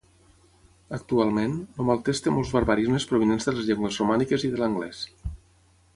Actualment, el maltès té molts barbarismes provinents de les llengües romàniques i de l'anglès.